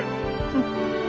うん。